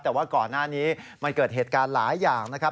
แต่ว่าก่อนหน้านี้มันเกิดเหตุการณ์หลายอย่างนะครับ